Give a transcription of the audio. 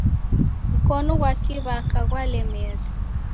Mkonu ghwa kiw'aka ghwalemere.